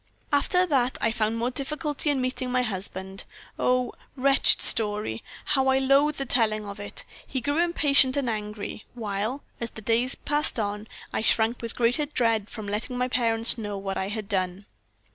"After that I found more difficulty in meeting my husband. Oh! wretched story! How I loathe the telling of it! He grew impatient and angry, while, as the days passed on, I shrank with greater dread from letting my parents know what I had done.